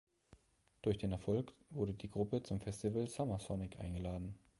Durch den Erfolg wurde die Gruppe zum Festival "Summer Sonic" eingeladen.